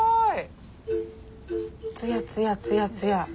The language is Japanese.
つやつやつやつや。